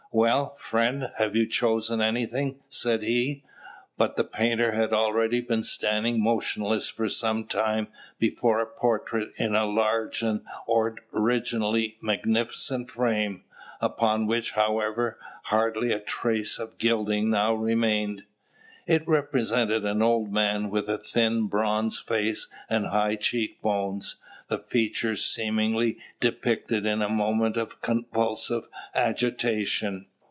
"Well, friend, have you chosen anything?" said he. But the painter had already been standing motionless for some time before a portrait in a large and originally magnificent frame, upon which, however, hardly a trace of gilding now remained. It represented an old man, with a thin, bronzed face and high cheek bones; the features seemingly depicted in a moment of convulsive agitation.